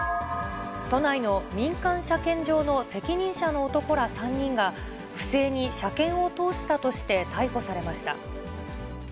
都内の民間車検場の責任者の男ら３人が、不正に車検を通したとして逮捕されました。